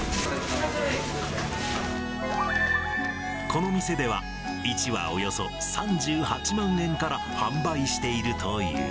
この店では、１羽およそ３８万円から販売しているという。